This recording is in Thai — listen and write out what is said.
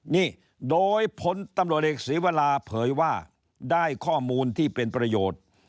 นี่โดยผลตำรวจเอกศีวราเผยว่าได้ข้อมูลที่เป็นประโยชน์